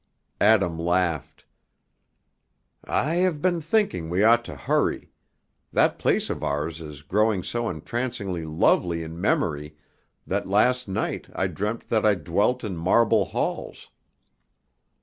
Adam laughed, "I have been thinking we ought to hurry; that place of ours is growing so entrancingly lovely in memory that last night I dreamt that I dwelt in marble halls!"